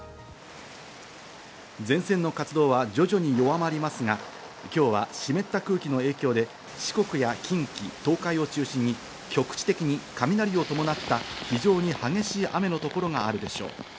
前線の活動は徐々に弱まりますが、今日は湿った空気の影響で四国や近畿、東海を中心に局地的に雷を伴った非常に激しい雨の所があるでしょう。